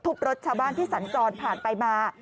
รถชาวบ้านที่สัญจรผ่านไปมา